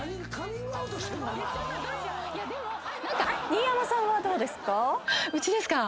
新山さんはどうですか？